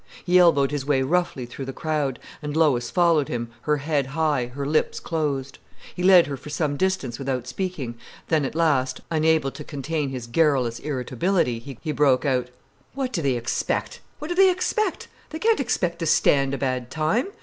He elbowed his way roughly through the crowd, and Lois followed him, her head high, her lips closed. He led her for some distance without speaking, then at last, unable to contain his garrulous irritability, he broke out: "What do they expect? What can they expect? They can't expect to stand a bad time.